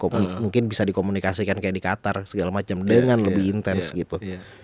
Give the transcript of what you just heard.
mungkin bisa dikomunikasikan kayak di qatar segala macam dengan lebih intens gitu